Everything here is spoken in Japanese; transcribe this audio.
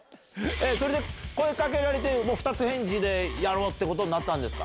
それで声かけられて二つ返事でやろう！ってことになったんですか？